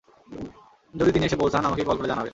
যদি তিনি এসে পৌঁছান আমাকে কল করে জানাবে।